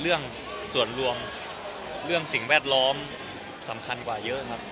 เรื่องส่วนรวมเรื่องสิ่งแวดล้อมสำคัญกว่าเยอะครับ